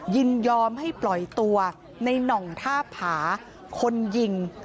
ยินยอมให้ปล่อยตัวในน่องท่าผาคนยิง